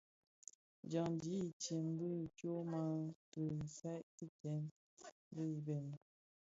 Dyandi itsem bi tyoma ti isaï ki dèň dhi ibëňi.